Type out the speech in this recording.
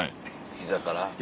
膝から？